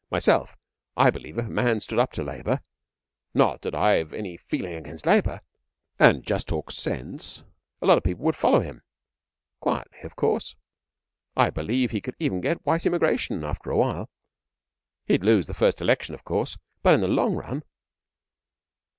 Myself, I believe if a man stood up to Labour not that I've any feeling against Labour and just talked sense, a lot of people would follow him quietly, of course. I believe he could even get white immigration after a while. He'd lose the first election, of course, but in the long run....